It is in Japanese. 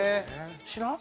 知らん？